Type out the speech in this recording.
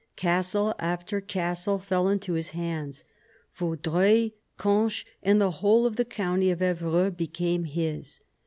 Castle after castle fell into his hands. Vaudreuil, Conches, and the whole of the county of Evreux became his.